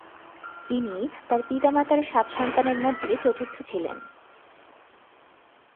তিনি তার পিতা মাতার সাত সন্তানের মধ্যে চতুর্থ ছিলেন।